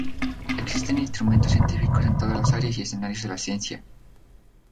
Existen instrumentos científicos en todas las áreas y escenarios de la ciencia.